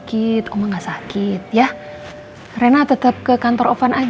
kasian oma ma